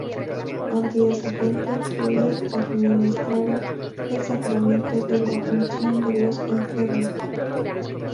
Al día siguiente, le administraron el sacramento de la unción de los enfermos.